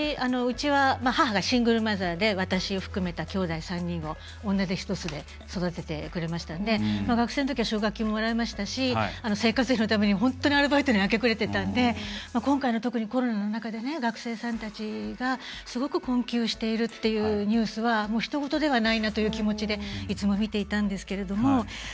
うちは母がシングルマザーで私を含めたきょうだい３人を女手一つで育ててくれましたので学生のころは奨学金も、もらいましたし生活費のために本当にアルバイトに明け暮れてたので今回の特にコロナの中でね学生さんたちがすごく困窮しているっていうニュースはひと事ではないなという気持ちでいつも見ていたんですけれども。